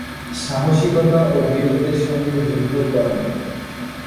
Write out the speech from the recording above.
সাহসিকতা ও বীরত্বের সঙ্গে যুদ্ধ করেন।